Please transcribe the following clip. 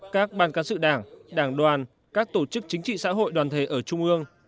các ban cán sự đảng đảng đoàn các tổ chức chính trị xã hội đoàn thể ở trung ương